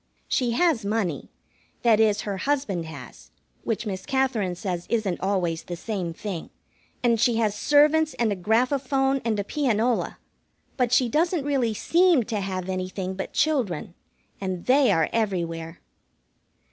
She has money that is, her husband has, which Miss Katherine says isn't always the same thing. And she has servants and a graphophone and a pianola, but she doesn't really seem to have anything but children, and they are everywhere.